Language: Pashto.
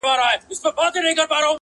نه یې پای ته رسېدل اوږده بحثونه٫